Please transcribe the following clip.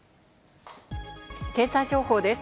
経済情報です。